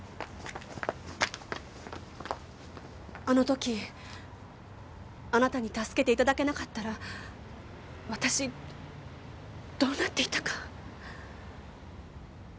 あの時あなたに助けて頂けなかったら私どうなっていたか。